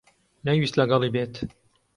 نەیویست لەگەڵی بێت.